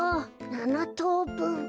７とうぶん。